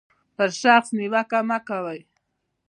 پر شخص نیوکه مه کوئ.